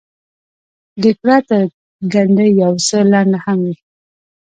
ډیګره تر ګنډۍ یو څه لنډه هم وي.